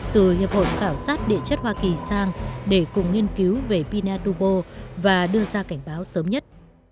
từ hiệp hội khảo sát địa chất hoa kỳ sang để cùng nghiên cứu về pinadubo và đưa ra cảnh báo sớm nhất